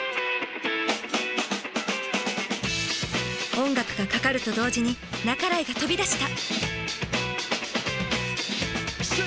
音楽がかかると同時に半井が飛び出した！